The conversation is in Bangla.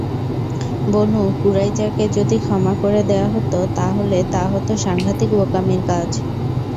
বনু কুরাইযাকে যদি ক্ষমা করে দেয়া হত তা হলে তা হত সাংঘাতিক বোকামির কাজ।